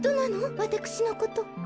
わたくしのこと。